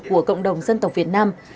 của cộng đồng dân tộc việt nam